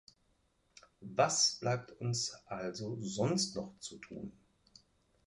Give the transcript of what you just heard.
Was bleibt uns also sonst noch zu tun?